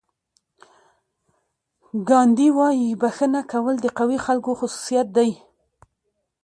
ګاندي وایي بښنه کول د قوي خلکو خصوصیت دی.